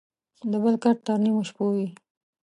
دبل کټ تر نيمو شپو وى.